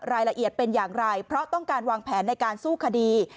รายละเอียดเป็นอย่างไรเพราะต้องการวางแผนในการสู้คดี